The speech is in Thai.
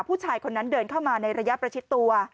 ผู้ชายคนนั้นเดินเข้ามาในระยะประชิดตัว